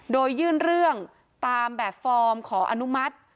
โดยยื่นเรื่องตามแบบฟอร์มขออนุมัติ